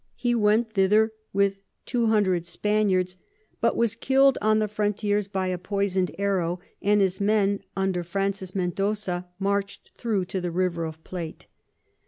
He went thither with 200 Spaniards, but was kill'd on the Frontiers by a poison'd Arrow, and his Men under Francis Mendoza march'd thro to the River of Plate.